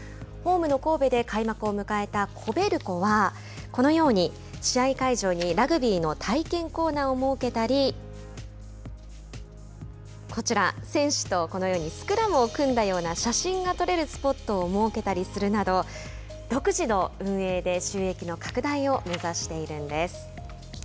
ホームの神戸で開幕を迎えたコベルコはこのように試合会場にラグビーの体験コーナーを設けたりこちら、選手とこのようにスクラムを組んだような写真が撮れるスポットを設けたりするなど独自の運営で収益の拡大を目指しているんです。